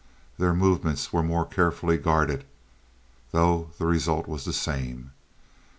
Their movements were more carefully guarded, though the result was the same.